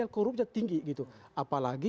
korupsi tinggi apalagi